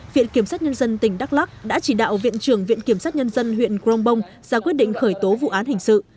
viện kiểm sát nhân dân tỉnh đắk lắc đã chỉ đạo viện trưởng viện kiểm sát nhân dân huyện crong bông ra quyết định khởi tố vụ án hình sự